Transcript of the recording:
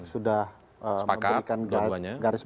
sudah memberikan garis